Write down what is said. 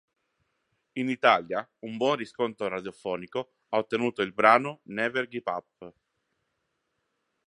In Italia un buon riscontro radiofonico ha ottenuto il brano "Never give up".